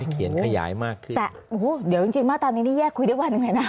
เขียนขยายมากขึ้นแต่โอ้โหเดี๋ยวจริงจริงมาตามนี้ได้แยกคุยด้วยวันนึงไหมนะ